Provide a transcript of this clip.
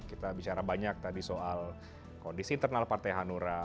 kita bicara banyak tadi soal kondisi internal partai hanura